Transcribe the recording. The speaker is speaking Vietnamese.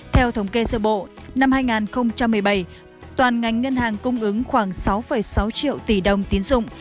theo thống kê sơ bộ năm hai nghìn một mươi bảy toàn ngành ngân hàng cung ứng khoảng sáu sáu triệu tỷ đồng tiến dụng